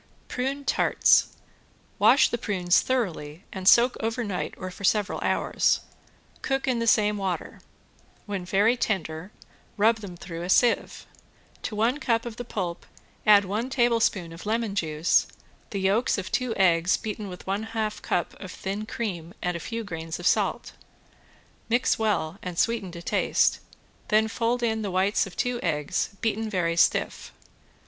~PRUNE TARTS~ Wash the prunes thoroughly and soak over night or for several hours. Cook in the same water. When very tender rub them through a sieve. To one cup of the pulp add one tablespoon of lemon juice, the yolks of two eggs beaten with one half cup of thin cream and a few grains of salt. Mix well and sweeten to taste, then fold in the whites of two eggs beaten very stiff.